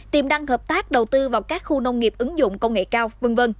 tiềm năng hợp tác đầu tư vào các khu nông nghiệp ứng dụng công nghệ cao v v